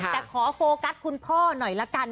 แต่ขอโฟกัสคุณพ่อหน่อยละกัน